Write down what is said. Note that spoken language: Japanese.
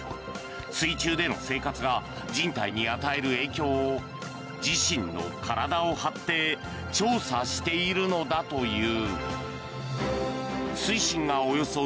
水中での生活が人体に与える影響を自身の体を張って調査しているのだという。